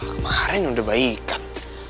kemarin udah baik kan